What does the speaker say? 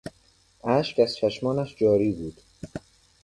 اشک از چشمانش جاری بود.